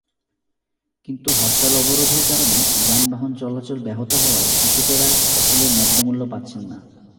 কিন্তু হরতাল-অবরোধের কারণে যানবাহন চলাচল ব্যাহত হওয়ায় কৃষকেরা ফসলের ন্যায্যমূল্য পাচ্ছেন না।